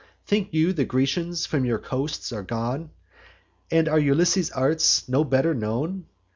Think you the Grecians from your coasts are gone? And are Ulysses' arts no better known?